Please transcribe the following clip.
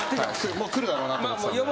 もう来るだろうなと思って。